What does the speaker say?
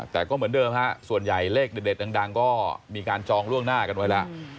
แต่ก็เหมือนเดิมฮะส่วนใหญ่เลขเด็ดดังก็มีการจองล่วงหน้ากันไว้แล้ว